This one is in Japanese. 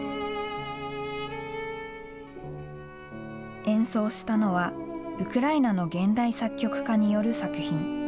演奏したのは、ウクライナの現代作曲家による作品。